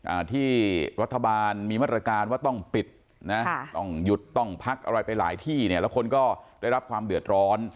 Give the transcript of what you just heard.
อ่าที่รัฐบาลมีมาตรการว่าต้องปิดนะค่ะต้องหยุดต้องพักอะไรไปหลายที่เนี่ยแล้วคนก็ได้รับความเดือดร้อน